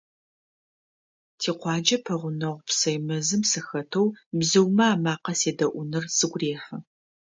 Тикъуаджэ пэгъунэгъу псэй мэзым сыхэтэу бзыумэ амакъэ седэӀуныр сыгу рехьы.